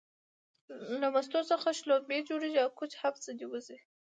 له مستو څخه شلومبې جوړيږي او کوچ هم ځنې وځي